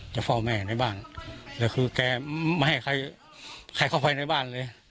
เฝ้าแม่ในบ้านแต่คือแกไม่ให้ใครใครเข้าไปในบ้านเลย